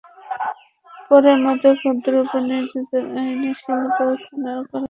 পরে মাদকদ্রব্য নিয়ন্ত্রণ আইনে খিলগাঁও থানায় করা মামলায় তাঁদের গ্রেপ্তার দেখানো হয়।